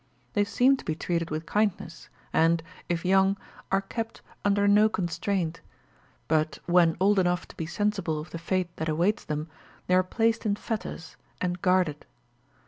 They seem to be treated with kindness, and, if young, are kept under no constraint; but, when old enough to be sensible of the fate that awaits them, they are placed in fetters, and guarded.